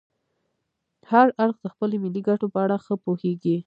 هر اړخ د خپلو ملي ګټو په اړه ښه پوهیږي